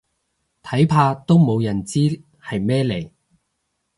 睇怕都冇人知係咩嚟